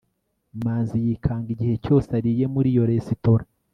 manzi yikanga igihe cyose ariye muri iyo resitora